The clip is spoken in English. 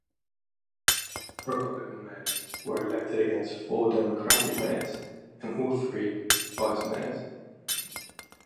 Ten Republican mayors were elected against four Democratic mayors and all three vice mayors.